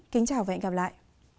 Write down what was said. kính chào và hẹn gặp lại